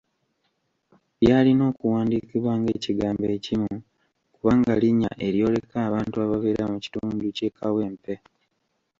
Byalina okuwandiikibwa ng'ekigambo ekimu kubanga linnya eryoleka abantu ababeera mu kitundu ky'e Kawempe.